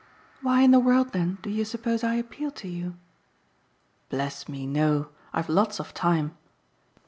"Why in the world then do you suppose I appealed to you?" "Bless me, no; I've lots of time."